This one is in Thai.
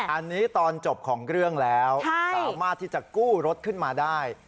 อันนี้ตอนจบของเรื่องแล้วสามารถที่จะกู้รถขึ้นมาได้